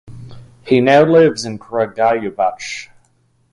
He now lives in Kragujevac.